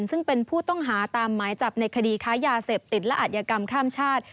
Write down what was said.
ซึ่งเป็นผู้ต้องหาตามหมายจับในคดีค้ายาเสพติดและอัธยกรรมข้ามชาติ